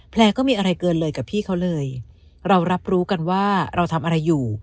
ก็มีอะไรเกินเลยกับพี่เขาเลยเรารับรู้กันว่าเราทำอะไรอยู่